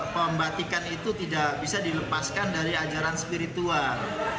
pembatikan itu tidak bisa dilepaskan dari ajaran spiritual